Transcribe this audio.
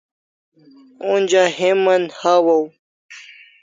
Onja heman hawaw